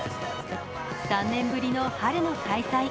３年ぶりの春の開催。